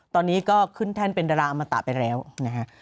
ตอนนี้ก็ขึ้นแท่นเป็นดาราอมตะไปแล้วนะฮะ